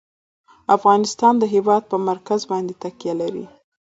افغانستان د هېواد پر مرکز باندې تکیه لري.